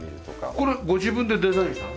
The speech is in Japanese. これご自分でデザインしたの？